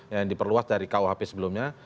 yang diperluas dari kuhp sebelumnya